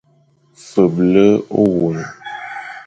Feble ôwôn.